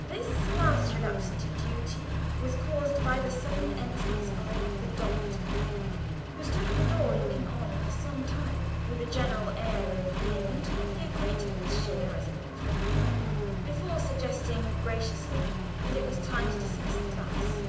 This last relapse into duty was caused by the sudden entrance of the Doctor, who stood at the door looking on for some time with a general air of being intimately acquainted with Schiller as an author, before suggesting graciously that it was time to dismiss the class.